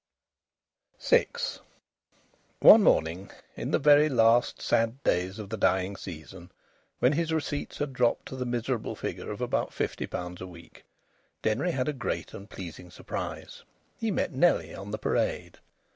VI One morning, in the very last sad days of the dying season, when his receipts had dropped to the miserable figure of about fifty pounds a week, Denry had a great and pleasing surprise. He met Nellie on the Parade.